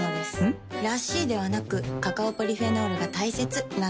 ん？らしいではなくカカオポリフェノールが大切なんです。